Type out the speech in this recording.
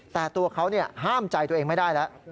แต่ตัวเขาห้ามใจตัวเองไม่ได้แล้ว